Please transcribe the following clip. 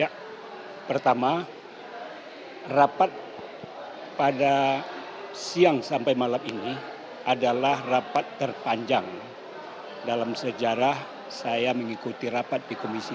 ya pertama rapat pada siang sampai malam ini adalah rapat terpanjang dalam sejarah saya mengikuti rapat di komisi tiga